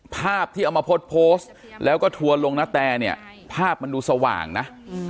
ภาพที่เอามาโพสต์โพสต์แล้วก็ทัวร์ลงนาแตเนี่ยภาพมันดูสว่างนะ